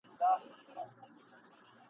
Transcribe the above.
وینم د زمان په سرابو کي نړۍ بنده ده !.